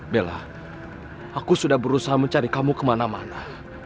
bella aku sudah berusaha mencari kamu kemana mana